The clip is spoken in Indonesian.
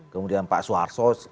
kemudian pak soeharto